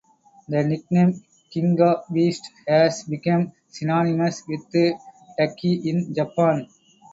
The nickname "King of Beasts" has become synonymous with Takei in Japan.